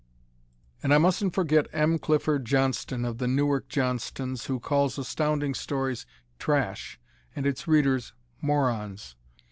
And I mustn't forget M. Clifford Johnston of the Newark Johnstons, who calls Astounding Stories trash and its Readers morons.